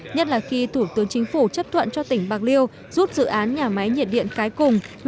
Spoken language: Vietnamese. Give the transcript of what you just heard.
nhất là khi thủ tướng chính phủ chấp thuận cho tỉnh bạc liêu rút dự án nhà máy nhiệt điện cái cùng